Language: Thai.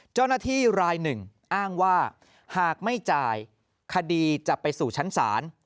เจ้าหน้าที่รายหนึ่งอ้างว่าหากไม่จ่ายคดีจะไปสู่ชั้นศาล